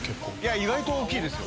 意外と大きいですよ。